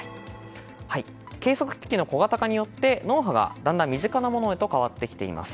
計測機器の小型化によって脳波がだんだん身近なものへと変わってきています。